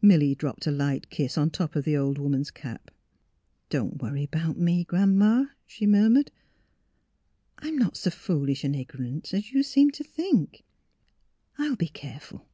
Milly dropped a light kiss on top of the old woman's cap. " Don't worry about me, Gran 'ma," she mur mured. "I'm not so foolish and ignorant as you seem to think. I — I'll be careful."